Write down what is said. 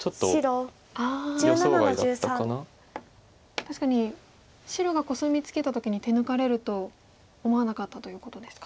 確かに白がコスミツケた時に手抜かれると思わなかったということですか。